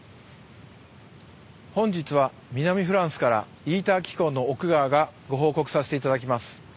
本日は南フランスからイーター機構の奥川がご報告させて頂きます。